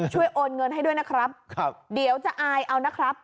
โอนเงินให้ด้วยนะครับเดี๋ยวจะอายเอานะครับ